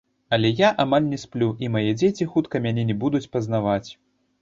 Але я амаль не сплю, і мае дзеці хутка мяне не будуць пазнаваць.